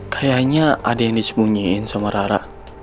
kayaknya ada yang disembunyiin sama rara